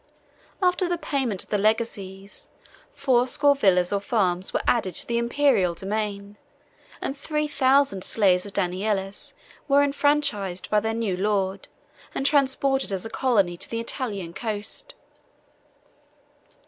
After the payment of the legacies, fourscore villas or farms were added to the Imperial domain; and three thousand slaves of Danielis were enfranchised by their new lord, and transplanted as a colony to the Italian coast.